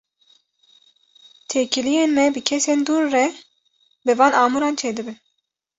Têkiliyên me bi kesên dûr re, bi van amûran çêdibin.